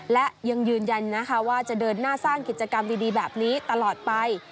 และยังยืนยันนะคะว่าจะเดินหน้าสร้างกิจกรรมดีแบบนี้ตลอดไป